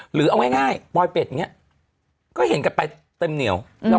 หรือเอาง่ายปลอยเป็ดอย่างนี้ก็เห็นกันไปเต็มเหนียว